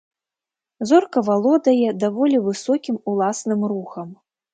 Зорка валодае даволі высокім уласным рухам.